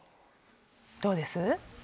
どうです？